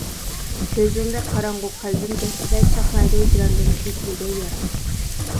كۆزۈڭدەك قاراڭغۇ قەلبىم تەكتىدە، چاقنايدۇ ھىجراندىن كۆكلىگەن يارا.